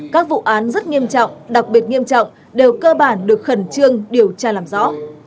các vụ án rất nghiêm trọng đặc biệt nghiêm trọng đều cơ bản được khẩn trương điều tra làm rõ